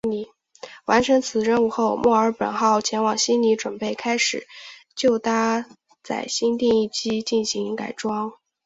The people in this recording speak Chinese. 完成此任务后墨尔本号前往悉尼准备开始就搭载新定翼机进行改装。